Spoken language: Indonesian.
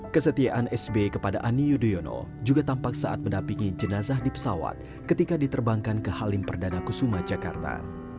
kesetiaan sbi kepada ani yudhoyono juga tampak saat mendapingi jenazah di pesawat ketika diterbangkan ke halim perdana kusuma jakarta